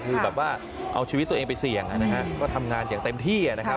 คือแบบว่าเอาชีวิตตัวเองไปเสี่ยงนะฮะก็ทำงานอย่างเต็มที่นะครับ